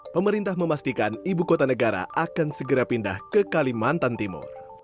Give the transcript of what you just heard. pemerintah memastikan ibu kota negara akan segera pindah ke kalimantan timur